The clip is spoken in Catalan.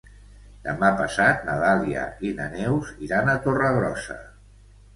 Demà passat na Dàlia i na Neus iran a Torregrossa.